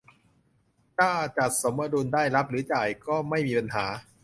ถ้าจัดสมดุลได้รับหรือจ่ายก็ไม่มีปัญหา